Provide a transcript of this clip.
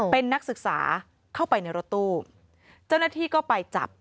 เป็นนักศึกษาเข้าไปในรถตู้เจ้าหน้าที่ก็ไปจับ